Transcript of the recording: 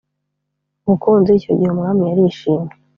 Bukunzi Icyo gihe umwami yarishimye